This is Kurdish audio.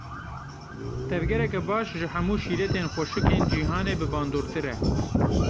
Tevgereke baş ji hemû şîretên xweşik ên cîhanê bibandortir e.